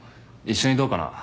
一緒にどうかな？